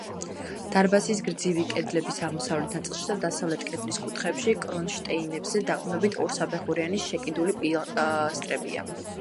დარბაზის გრძივი კედლების აღმოსავლეთ ნაწილში და დასავლეთ კედლის კუთხეებში კრონშტეინებზე დაყრდნობილი ორსაფეხურიანი შეკიდული პილასტრებია.